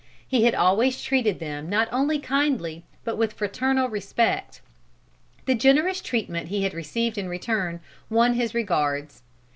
He had always treated them not only kindly, but with fraternal respect. The generous treatment he had received in return won his regards.